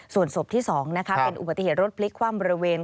ส่วนศพที่๒เป็นอุบัติเหตุรถพลิกคว่ำบริเวณ